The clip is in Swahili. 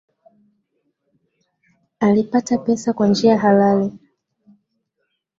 Alipata pesa kwa njia halali